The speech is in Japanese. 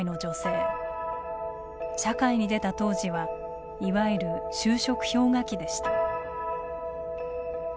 社会に出た当時はいわゆる就職氷河期でした。